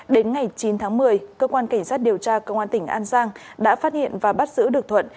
đến ngày chín tháng một mươi cơ quan cảnh sát điều tra công an tỉnh an giang đã phát hiện và bắt giữ được thuận